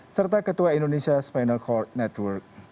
serta ketua indonesia final cord network